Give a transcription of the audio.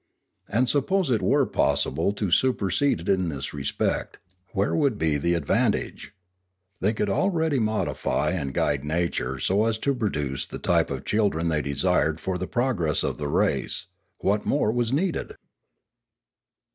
And suppose it were possible to supersede it in this respect, where would be the advan tage? They could already modify and guide nature so as to produce the type of children they desired for the progress of the race; what more was needed